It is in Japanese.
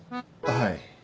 はい。